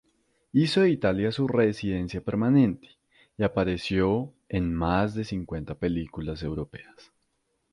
Hizo de Italia su residencia permanente, y apareció en más de cincuenta películas europeas.